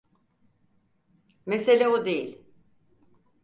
Mesele o değil.